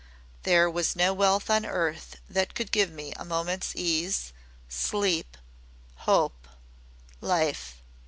"There was no wealth on earth that could give me a moment's ease sleep hope life.